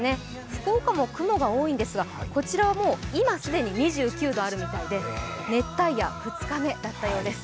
福岡も雲が多いんですが、こちらはもう今既に２９度あるみたいで熱帯夜２日目だったようです。